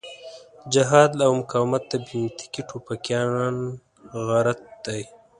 جهاد او مقاومت د بې منطقې ټوپکيان غرت دی.